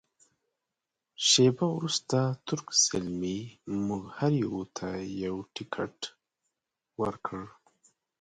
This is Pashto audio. شیبه وروسته تُرک زلمي موږ هر یوه ته یو تکټ ورکړ.